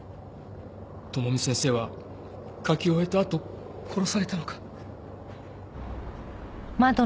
智美先生は書き終えたあと殺されたのか。